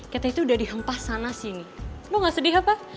kita itu udah dihempah sana sini lu gak sedih apa